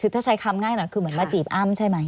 คือถ้าใช้คำง่ายหน่อยคือเหมือนมาจีบอ้ำใช่ไหม